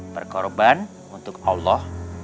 berkorban untuk allah